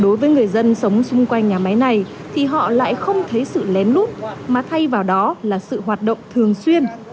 đối với người dân sống xung quanh nhà máy này thì họ lại không thấy sự lén lút mà thay vào đó là sự hoạt động thường xuyên